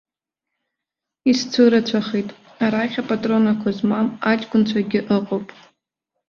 Исцәырацәахеит, арахь апатронақәа змам аҷкәынцәагьы ыҟоуп.